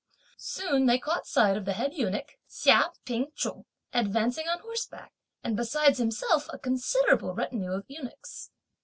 Soon they caught sight of the head eunuch, Hsia Ping chung, advancing on horseback, and besides himself, a considerable retinue of eunuchs.